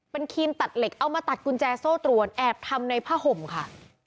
เป็นครีมตัดเหล็กเอามาตัดกุญแจโซ่ตรวนแอบทำในผ้าห่มค่ะ